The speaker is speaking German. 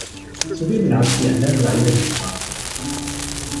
Zudem lag sie an der Seidenstraße.